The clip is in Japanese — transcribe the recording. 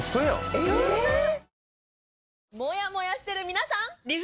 えっ？